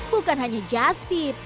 bukan hanya justif